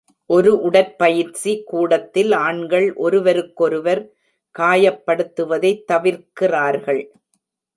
ஒரு உடற்பயிற்சி கூடத்தில் ஆண்கள் ஒருவருக்கொருவர் காயப்படுத்துவதைத் தவிர்க்கிறார்கள்